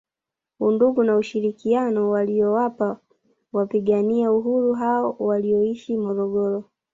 Undugu na ushirikiano waliowapa wapigania Uhuru hao walioishi Morogoro